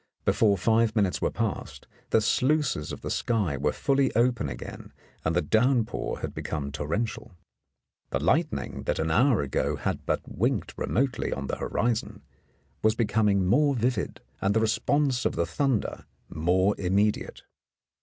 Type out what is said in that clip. Before five minutes were past, the sluices of the sky were fully open again, and the downpour had become torrential. The light ning, that an hour ago had but winked remotely on the horizon, was becoming more vivid, and the response of the thunder more immediate.